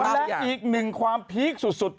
และอีกหนึ่งความพีคสุด